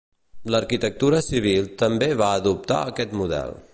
L'arquitectura civil també va adoptar aquest model.